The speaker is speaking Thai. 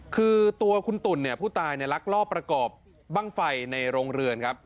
คือตัวคุณตุ๋นเนี่ยผู้ตายลักลอบประกอบบ้างไฟในโรงเรือนครับ